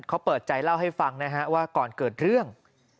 เขาเปิดใจเล่าให้ฟังนะฮะว่าก่อนเกิดเรื่อง